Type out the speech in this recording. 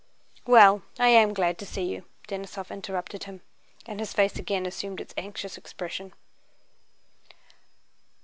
"Well, I am glad to see you," Denísov interrupted him, and his face again assumed its anxious expression.